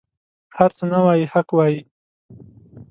هر څه نه وايي حق وايي.